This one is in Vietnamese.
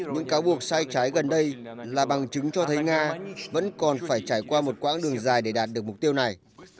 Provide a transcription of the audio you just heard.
những cáo buộc sai trái gần đây là bằng chứng cho thấy nga vẫn còn phải trải qua một quãng đường dài để đạt được mục tiêu này